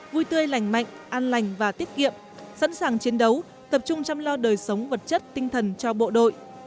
vui tươi lành mạnh an lành và tiết kiệm sẵn sàng chiến đấu tập trung chăm lo đời sống vật chất tinh thần cho bộ đội